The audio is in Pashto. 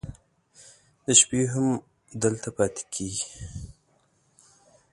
د شپې هم دلته پاتې کېږي.